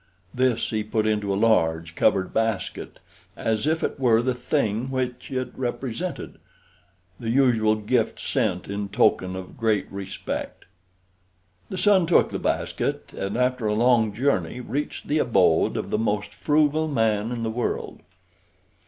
This he put into a large covered basket, as if it were the thing which it represented the usual gift sent in token of great respect. The son took the basket, and after a long journey reached the abode of the most frugal man in the world.